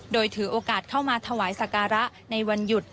โดยถือโอกาสเข้ามาถวายสการะในวันหยุด